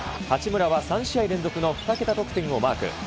八村は３試合連続の２桁得点をマーク。